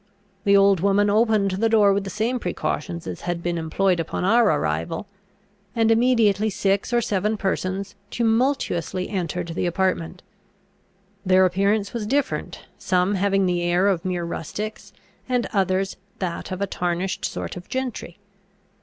The old woman opened the door with the same precautions as had been employed upon our arrival, and immediately six or seven persons tumultuously entered the apartment. Their appearance was different, some having the air of mere rustics, and others that of a tarnished sort of gentry.